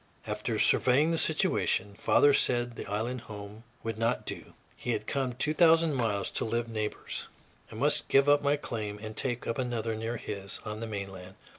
After surveying the situation, father said the island home would not do. He had come two thousand miles to live neighbors; I must give up my claim and take up another near his, on the mainland.